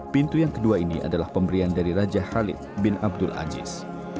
pintu yang kedua ini adalah pemberian dari raja khalid bin abdul aziz